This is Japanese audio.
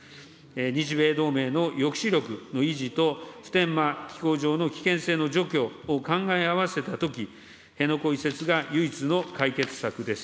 日米同盟の抑止力の維持と、普天間飛行場の危険性の除去を考え合わせたとき、辺野古移設が唯一の解決策です。